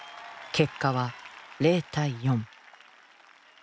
結果は０対４。